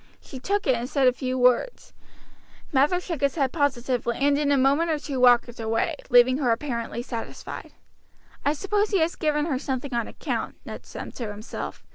She took it, and said a few words. Mather shook his head positively, and in a minute or two walked away, leaving her apparently satisfied. "I suppose he has given her something on account," Ned said to himself.